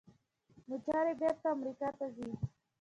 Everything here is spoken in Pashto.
موټرې بیرته امریکا ته ځي.